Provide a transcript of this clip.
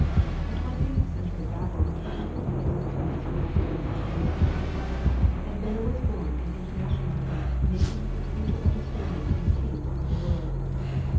A twentieth century Babel came to the fields of France for freedom's sake, and there was born an internationalism making for the future understanding and peace of the world.